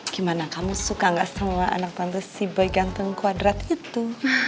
gimana kamu suka gak sama anak tante si boy ganteng kuadrat itu